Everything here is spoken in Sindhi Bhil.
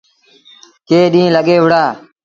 ڪئيٚن ڏيٚݩهݩ لڳي وُهڙآ۔